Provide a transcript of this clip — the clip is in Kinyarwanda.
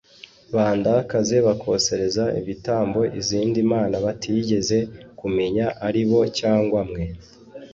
bandakaze bakosereza ibitambo izindi mana batigeze kumenya ari bo cyangwa mwe